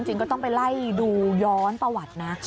จริงก็ต้องไปไล่ดูย้อนประวัตินะ